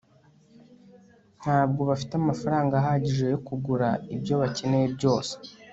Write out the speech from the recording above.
ntabwo bafite amafaranga ahagije yo kugura ibyo bakeneye byose